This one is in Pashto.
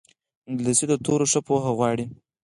انګلیسي د توریو ښه پوهه غواړي